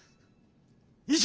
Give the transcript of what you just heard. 以上！